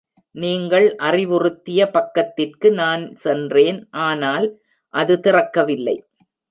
நீங்கள் அறிவுறுத்திய பக்கத்திற்கு நான் சென்றேன், ஆனால் அது திறக்கவில்லை.